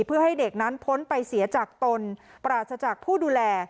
เพื่อให้เด็กนั้นพ้นไปเสียจากตนปราศจากผู้ดูแล